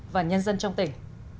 và nhân dân trong tỉnh